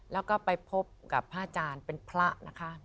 แล้วก็ไปพบกับพระอาจารย์เป็นพระนะคะ